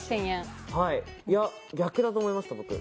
僕は逆だと思いました。